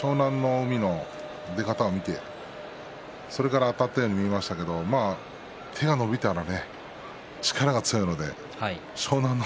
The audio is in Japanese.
海の出方を見てそれからあたったように見えましたけど手が伸びたら力が強いので湘南乃